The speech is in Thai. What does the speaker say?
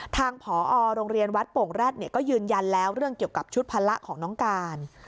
ทางผอโรงเรียนวัดโป่งแร็ดก็ยืนยันแล้วเรื่องเกี่ยวกับชุดภาระของน้องการ